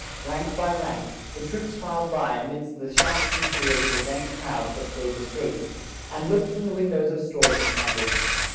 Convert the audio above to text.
Rank by rank, the troops filed by a midst the shouts and cheers of the dense crowds that filled the streets, and looked from the win dows of stores and hous es.